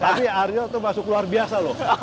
tapi aryo itu masuk luar biasa loh